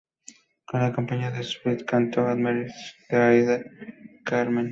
Con la compañía de Seattle cantó "Amneris" de Aida y Carmen.